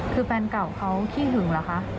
คือแฟนเก่าเขาขี้หึงเหรอคะ